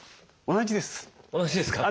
同じですか。